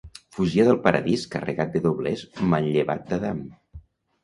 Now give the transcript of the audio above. Fugia del paradís carregat de doblers manllevat d'Adam.